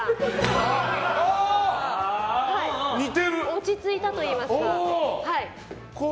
落ち着いたといいますか、はい。